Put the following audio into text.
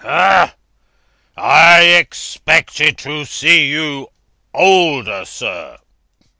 "Hah! I expected to see you older, sir."